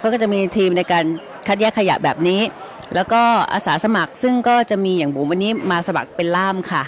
เขาก็จะมีทีมในการคัดแยกขยะแบบนี้แล้วก็อาสาสมัครซึ่งก็จะมีอย่างบุ๋มวันนี้มาสมัครเป็นร่ามค่ะ